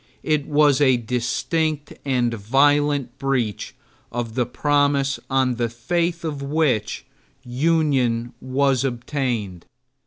It was a distinct and violent breach of the promise on the faith of which union was obtained.